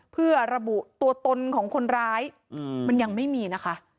เพื่อระบุตัวตนของคนร้ายมันยังไม่มีนะคะ